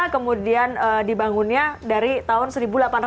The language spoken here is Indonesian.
kemudian dibangunnya dari tahun seribu delapan ratus